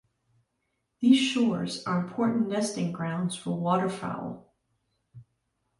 These shores are important nesting grounds for waterfowl.